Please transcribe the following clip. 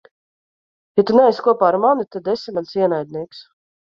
Ja tu neesi kopā ar mani, tad esi mans ienaidnieks.